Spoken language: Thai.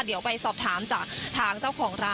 เดี๋ยวไปสอบถามจากทางเจ้าของร้าน